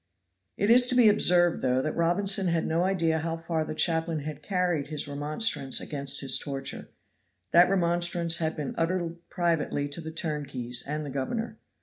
It is to be observed, though, that Robinson had no idea how far the chaplain had carried his remonstrance against his torture; that remonstrance had been uttered privately to the turnkeys and the governor.